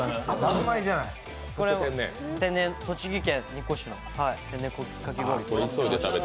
栃木県日光市の天然かき氷。